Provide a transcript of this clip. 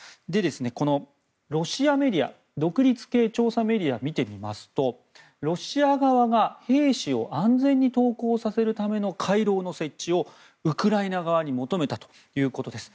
このロシアメディア独立系調査メディア見てみますとロシア側が兵士を安全に投降させるための回廊の設置をウクライナ側に求めたということです。